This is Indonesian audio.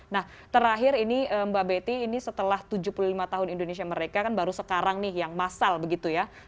nah terakhir ini mbak betty ini setelah tujuh puluh lima tahun indonesia mereka kan baru sekarang nih yang masal begitu ya